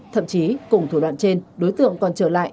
thậm chí cùng thủ đoạn trên đối tượng còn trở lại